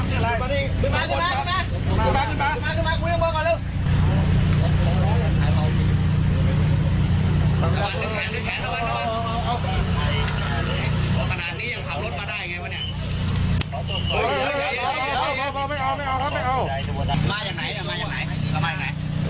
อยู่บ้านเรือไหมครับ